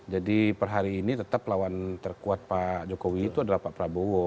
jadi per hari ini tetap lawan terkuat pak jokowi itu adalah pak prabowo